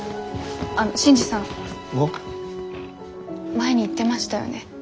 前に言ってましたよね。